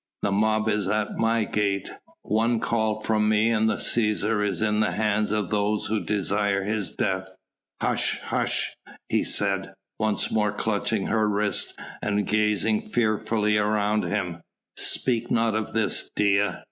"The mob is at my gate. One call from me and the Cæsar is in the hands of those who desire his death." "Hush! hush!" he said, once more clutching her wrist and gazing fearfully around him, "speak not of this, Dea!